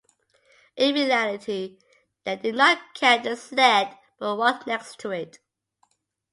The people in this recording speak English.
In reality, they did not carry the sled but walked next to it.